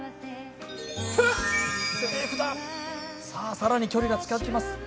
更に距離が近づきます。